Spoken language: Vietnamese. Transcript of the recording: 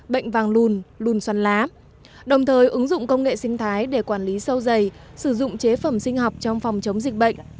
bệnh vàng lùn lùn xoắn lá đồng thời ứng dụng công nghệ sinh thái để quản lý sâu dày sử dụng chế phẩm sinh học trong phòng chống dịch bệnh